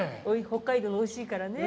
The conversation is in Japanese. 北海道おいしいからね。